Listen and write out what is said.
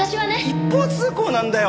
一方通行なんだよ